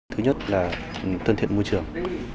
thứ nhất là tân thiện môi trường